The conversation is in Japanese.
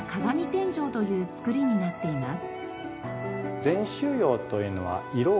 天井という造りになっています。